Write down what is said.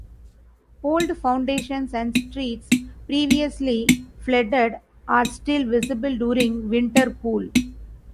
Old foundations and streets, previously flooded, are still visible during winter pool.